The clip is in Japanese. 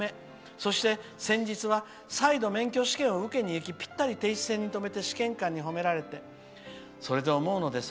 そして、先日は再度免許試験を受けに行きぴったり停止線に止めて試験官に褒められてそれで思うのです。